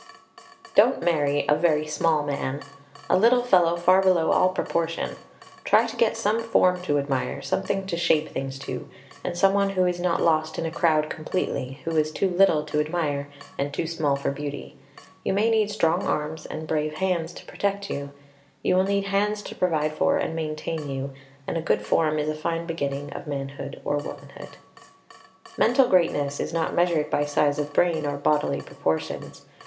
Don't marry a very small man a little fellow far below all proportion; try to get some form to admire, something to shape things to, and some one who is not lost in a crowd completely, who is too little to admire and too small for beauty. You may need strong arms and brave hands to protect you. You will need hands to provide for and maintain you, and a good form is a fine beginning of manhood or womanhood. Mental greatness is not measured by size of brain or bodily proportions.